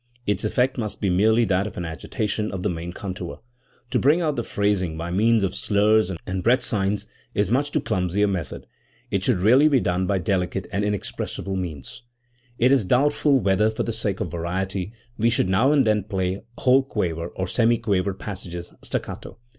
Its effect must be merely that of an agitation of the main contour, To bring out the phrasing by means of slurs and breath signs is muck too clumsy a method; it should really be done by delicate and inexpressible means. 314 XIV. The Performance of the Organ Works. It is doubtful whether, for the sake of variety, we should now and then play whole quaver or semiquaver passages staccato.